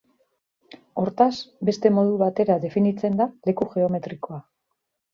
Hortaz, beste modu batera definitzen da leku geometrikoa.